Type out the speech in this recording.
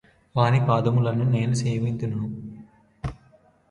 వాని పాదములను నేను సేవింతును